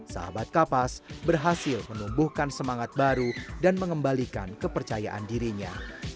sahabat kapas berhasil menumbuhkan semangat baru dan mengembalikan kepercayaan dirinya